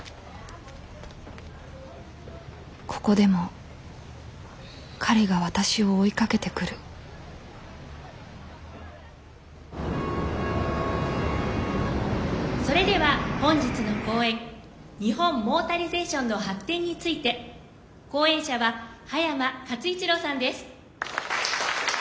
ここでも彼が私を追いかけてくるそれでは本日の講演「日本・モータリゼーションの発展」について講演者は葉山勝一郎さんです。